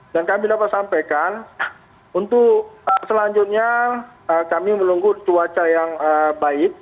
dan kami dapat sampaikan untuk selanjutnya kami menunggu cuaca yang baik